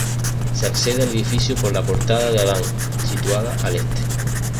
Se accede al edificio por la Portada de Adán, situada al Este.